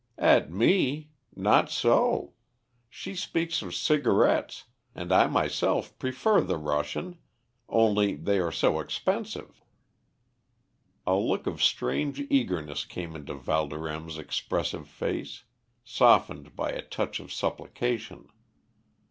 "At me? Not so; she speaks of cigarettes, and I myself prefer the Russian, only they are so expensive." A look of strange eagerness came into Valdorême's expressive face, softened by a touch of supplication.